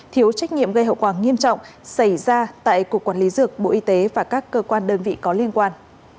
thiếu trách nhiệm gây hậu quả nghiêm trọng xảy ra tại cục quản lý dược bộ y tế và các cơ quan đơn vị có liên quan